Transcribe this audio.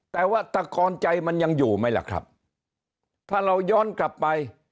แต่ว่าตะกอนใจมันยังอยู่ไหมล่ะครับถ้าเราย้อนกลับไป